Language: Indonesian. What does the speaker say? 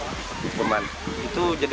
itu jadi pemandangan